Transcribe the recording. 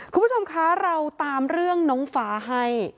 คุณผู้ชมคะเราตามเรื่องน้องฟ้าให้